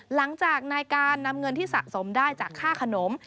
หลังจากนายการนำเงินที่สะสมได้จากค่าขนม